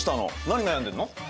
何悩んでんの？